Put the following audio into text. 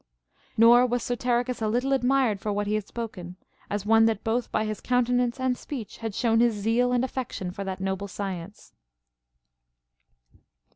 43. Nor was Soterichus a little admired for what he had spoken, as one that both by his countenance and speech had shown his zeal and affection for that noble science.